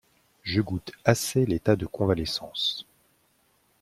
Je goûte assez l'état de convalescence.